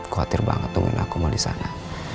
khawatir banget dengan aku mau di sana